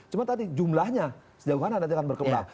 cuma tadi jumlahnya sejauh mana nanti akan berkembang